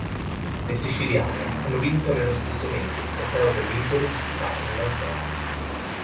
Le siciliane hanno vinto nello stesso mese il Trofeo delle Isole disputato nelle Azzorre.